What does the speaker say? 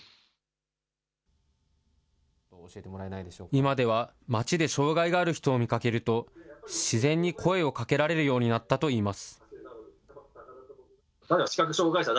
今では、街で障害がある人を見かけると、自然に声をかけられるようになったといいます。